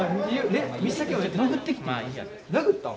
殴ったん？